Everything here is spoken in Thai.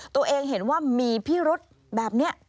ตัวเองเห็นว่ามีพิรุธแบบนี้